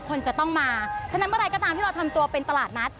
คนจะต้องมาฉะนั้นเมื่อไหร่ก็ตามที่เราทำตัวเป็นตลาดนัด